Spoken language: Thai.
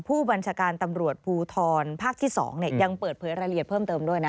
ผู้บัญชาการตำรวจภูทรภาคที่๒ยังเปิดเผยรายละเอียดเพิ่มเติมด้วยนะ